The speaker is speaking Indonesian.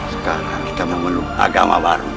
sekarang kita memeluk agama baru